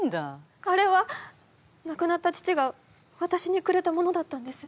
あれはなくなった父がわたしにくれたものだったんです。